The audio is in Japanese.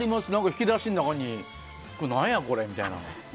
引き出しの中に何や、これみたいな。